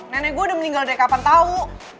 nenek gue udah meninggal dari kapan tahu